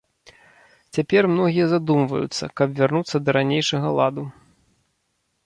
Цяпер многія задумваюцца, каб вярнуцца да ранейшага ладу.